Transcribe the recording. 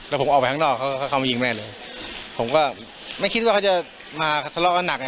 แล้วผมออกไปข้างนอกเขาก็เข้ามายิงแม่เลยผมก็ไม่คิดว่าเขาจะมาทะเลาะกันหนักไง